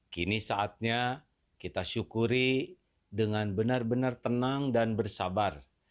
kini saatnya kita syukuri dengan benar benar tenang dan bersabar